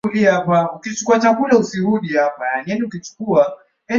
mia moja na kumi Mathew wa Chadema akatokea wa pili kwa kupata kura elfu